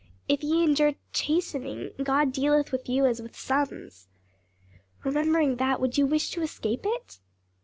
If ye endure chastening, God dealeth with you as with sons.' "Remembering that, would you wish to escape it?"